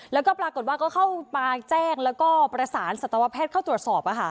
แล้วก็ปรากฏว่าก็เข้ามาแจ้งแล้วก็ประสานสัตวแพทย์เข้าตรวจสอบ